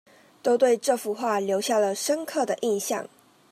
都對這幅畫留下了深刻的印象